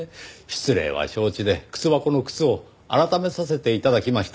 失礼は承知で靴箱の靴を改めさせて頂きました。